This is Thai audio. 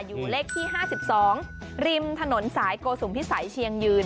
อยู่เลขที่๕๒ริมถนนสายโกสุมพิสัยเชียงยืน